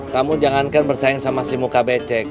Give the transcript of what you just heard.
kamu jangankan bersaing sama si muka becek